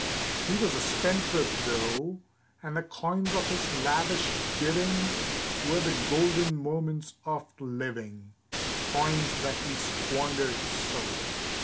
He was a spendthrift though, And the coins of his lavish giving Were the golden moments of living, Coins that he squandered so.